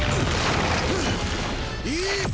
いいぞ！